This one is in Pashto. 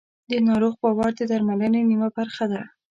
د ناروغ باور د درملنې نیمه برخه ده.